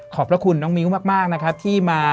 พระคุณน้องมิ้วมากนะครับที่มา